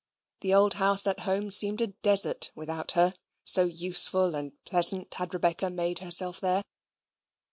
The old house at home seemed a desert without her, so useful and pleasant had Rebecca made herself there.